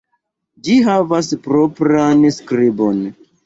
Ĝi havas propran skribon.